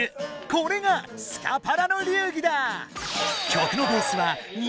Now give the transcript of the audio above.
これがスカパラの流儀だ！